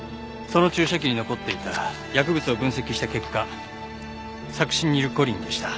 その注射器に残っていた薬物を分析した結果サクシニルコリンでした。